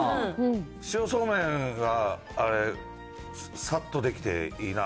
塩そうめんはあれ、さっと出来ていいな。